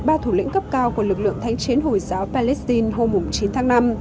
ba thủ lĩnh cấp cao của lực lượng thánh chiến hồi giáo palestine hôm chín tháng năm